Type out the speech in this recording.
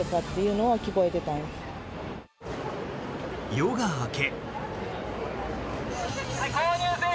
夜が明け。